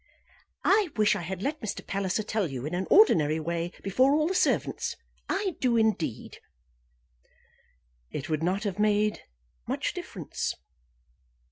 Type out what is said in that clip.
"I wish I had let Mr. Palliser tell you, in an ordinary way, before all the servants. I do indeed." "It would not have made much difference."